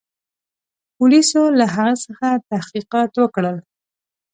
پولیسو له هغه څخه تحقیقات وکړل.